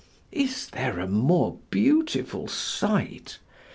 Is there a more beautiful sight?